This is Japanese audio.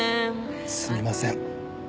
すみません